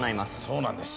そうなんです。